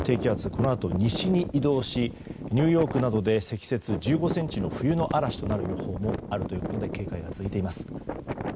このあと西に移動しニューヨークなどで積雪１５ｃｍの冬の嵐になる予報もあるということで警戒が続いています。